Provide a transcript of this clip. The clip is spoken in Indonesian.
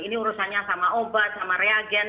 ini urusannya sama obat sama reagen